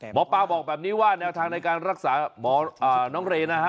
หมอปลาบอกแบบนี้ว่าแนวทางในการรักษาหมอน้องเรย์นะฮะ